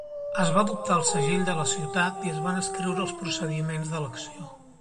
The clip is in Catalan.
Es va adoptar el segell de la ciutat, i es van escriure els procediments d'elecció.